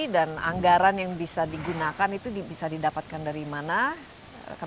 dan anggaran yang bisa digunakan itu bisa didapatkan dari mana